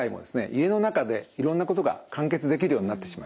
家の中でいろんなことが完結できるようになってしまいました。